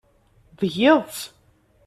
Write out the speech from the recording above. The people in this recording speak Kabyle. Tgiḍ-tt.